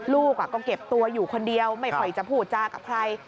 ลูกก็เก็บตัวอยู่คนเดียวไม่ค่อยจะพูดจากับใคร